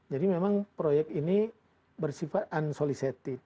jadi memang proyek ini bersifat unsolicited